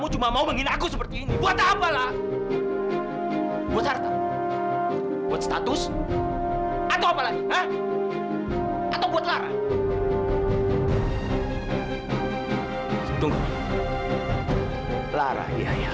jangan panggil saya ayah ya